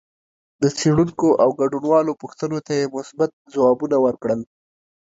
د څېړونکو او ګډونوالو پوښتنو ته یې مثبت ځوابونه ورکړل